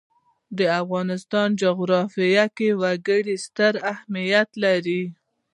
د افغانستان جغرافیه کې وګړي ستر اهمیت لري.